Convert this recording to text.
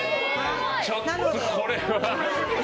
ちょっと、これは。